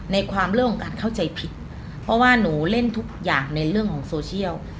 ในความเรื่องของการเข้าใจผิดเพราะว่าหนูเล่นทุกอย่างในเรื่องของโซเชียล